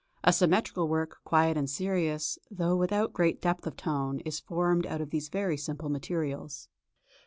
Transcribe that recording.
A symmetrical work, quiet and serious, though without great depth of tone, is formed out of these very simple materials.